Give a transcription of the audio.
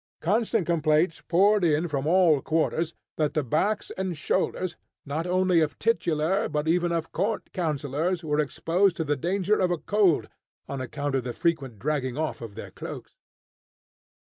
Constant complaints poured in from all quarters, that the backs and shoulders, not only of titular but even of court councillors, were exposed to the danger of a cold, on account of the frequent dragging off of their cloaks.